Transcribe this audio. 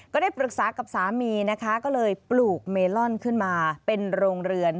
ก็ได้ปรึกษากับสามีนะคะก็เลยปลูกเมลอนขึ้นมาเป็นโรงเรือน